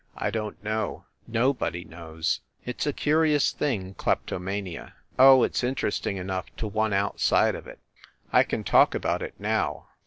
I don t know. Nobody knows. It s a curious thing, kleptomania. Oh, it s inter esting enough to one outside of it ! I can talk about it, now.